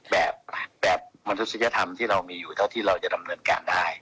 แบบมนุษยธรรมที่เรามีอยู่เท่าที่เราจะดำเนินการได้